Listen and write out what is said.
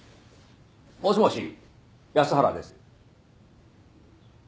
もしもし安原です。